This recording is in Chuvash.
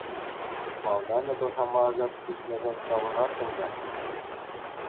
Малтан эпӗ хама асат хуҫнӑшан савӑнаттӑм та.